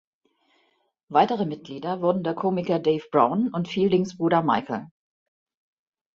Weitere Mitglieder wurden der Komiker Dave Brown und Fieldings Bruder Michael.